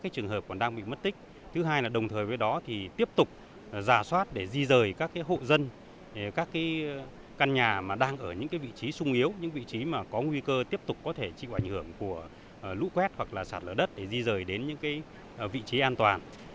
thứ hai là đồng thời với đó thì tiếp tục giả soát để di rời các hộ dân các căn nhà mà đang ở những vị trí sung yếu những vị trí mà có nguy cơ tiếp tục có thể chịu ảnh hưởng của lũ quét hoặc là sạt lở đất để di rời đến những vị trí an toàn